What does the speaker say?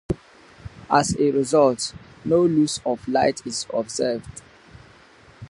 As a result, no loss of light is observed.